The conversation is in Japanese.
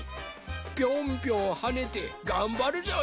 ピョンピョンはねてがんばるぞい！